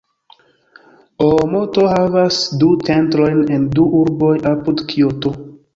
Oomoto havas du centrojn en du urboj apud Kioto.